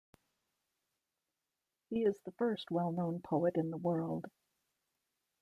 He is the first well known poet in the world.